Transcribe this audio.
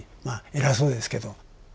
まあ偉そうですけど。